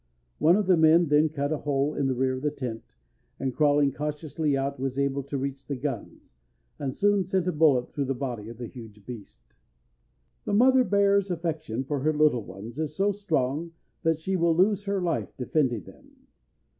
One of the men then cut a hole in the rear of the tent, and crawling cautiously out, was able to reach the guns, and soon sent a bullet through the body of the huge beast. [Illustration: SLAIN IN DEFENSE OF HER YOUNG.] The mother bear's affection for her little ones is so strong that she will lose her life defending them.